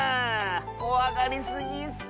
こわがりすぎッス！